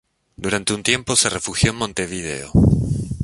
Durante un tiempo se refugió en Montevideo.